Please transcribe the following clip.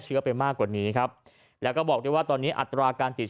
เชื้อไปมากกว่านี้ครับแล้วก็บอกด้วยว่าตอนนี้อัตราการติดเชื้อ